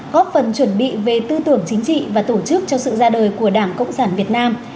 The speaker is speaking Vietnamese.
góp phần chuẩn bị về tư tưởng chính trị và tổ chức cho sự ra đời của đảng cộng sản việt nam